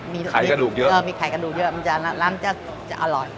มีไข่กระดูกเยอะมีไข่กระดูกเยอะมันจะร้านจะอร่อย